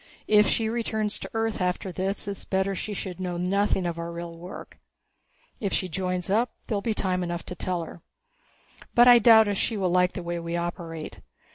If she returns to Earth after this it's better that she should know nothing of our real work. If she joins up, there'll be time enough to tell her. But I doubt if she will like the way we operate.